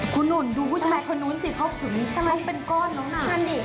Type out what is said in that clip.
ครูหนุนดูผู้ชายควรนู้นสิเข้าเป็นก้อนลงน่ะทำซิ